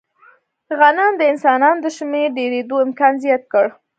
غنم د انسانانو د شمېر ډېرېدو امکان زیات کړ.